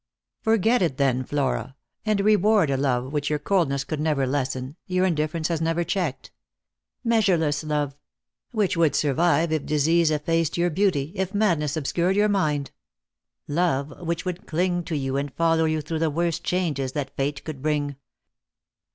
" Forget it, then, Flora, and reward a love which your cold ness could never lessen, your indifference has nerer checked; measureless love, which would survive if disease effaced your beauty, if madness obscured your mind ; love which would cling to you and follow you through the worst changes that Fate could bring.